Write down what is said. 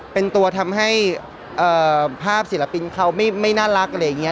เป็นตัวทำให้ภาพศิลปินเขาไม่น่ารักอะไรอย่างนี้